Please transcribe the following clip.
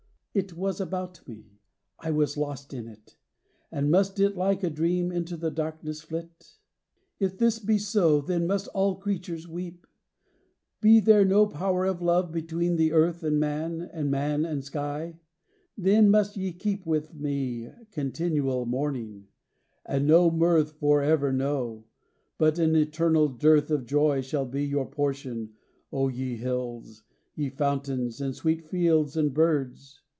It was about me; I was lost in it. And must it like a dream into the darkness flit? CHRISTMAS EVE 11 XVI. "If this be so, then must all creatures weep: Be there no power of Love between the earth And man, and man and sky, then must ye keep With me continual mourning; and no mirth Forever know; but an eternal dearth Of joy shall be your portion, oh, ye hills. Ye fountains, and sweet fields and birds!